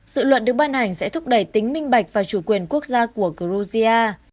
sự luật được ban hành sẽ thúc đẩy tính minh bạch và chủ quyền quốc gia của georgia